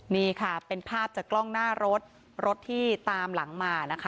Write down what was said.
นี่ค่ะเป็นภาพจากกล้องหน้ารถรถที่ตามหลังมานะคะ